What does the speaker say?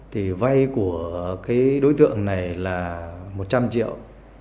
thì vay của cái đối tượng này là một trăm linh triệu